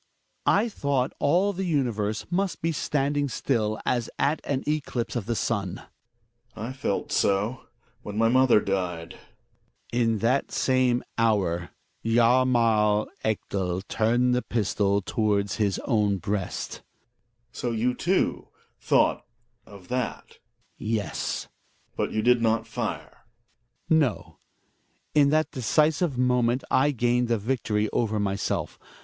I thought all the universe must be standing still as at an eclipse of the sun. Gregers. I felt so when my mother died. Hjalmar. In that same hour Hjalmar Ekdal turned the pistol towards his own breast Gregers. So you, too, thought of that ! Hjalmar. Yes. Gregers. But you did not fire ? Hjalmar. No. In that decisive moment I gained the victory over myself.